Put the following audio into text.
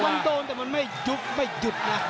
มันโดนแต่มันไม่ยุบไม่หยุดนะ